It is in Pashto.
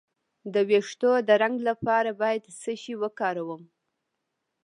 د ویښتو د رنګ لپاره باید څه شی وکاروم؟